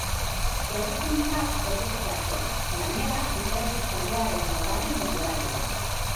Berrikuntzaz beterik dator, gainera, literatur saioaren laugarren denboraldia.